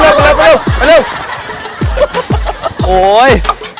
ใส่เบลต์ด้วย